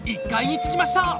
１階に着きました。